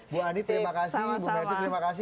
bu adi terima kasih